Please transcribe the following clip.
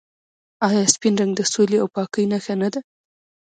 آیا سپین رنګ د سولې او پاکۍ نښه نه ده؟